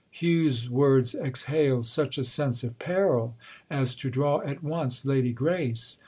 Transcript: Hugh's words exhaled such a sense of peril as to draw at once Lady Grace.